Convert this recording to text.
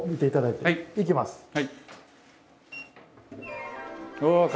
いきます。